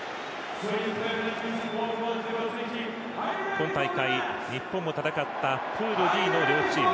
今大会、日本も戦ったプールＤの両チーム。